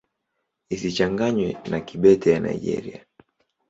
Isichanganywe na Kibete ya Nigeria.